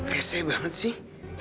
peseh banget sih